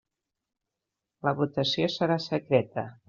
La votació serà secreta.